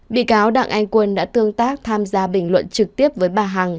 bị cáo đặng anh quân đã tương tác tham gia bình luận trực tiếp với bà hằng